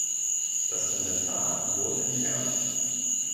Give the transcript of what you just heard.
Das Inventar wurde entfernt.